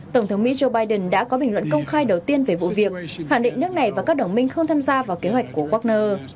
tổng thống mỹ joe biden đã có bình luận công khai đầu tiên về vụ việc khẳng định nước này và các đồng minh không tham gia vào kế hoạch của wagner